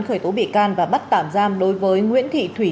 khởi tố bị can và bắt tạm giam đối với nguyễn thị thủy